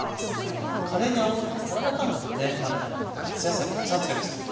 もうねカレーに合わせてサラダ感覚でね食べたいので夏野菜をたくさん使いました。